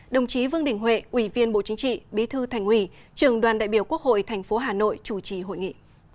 đồng chí vương đình huệ ủy viên bộ chính trị bí thư thành ủy trường đoàn đại biểu quốc hội tp hà nội chủ trì hội nghị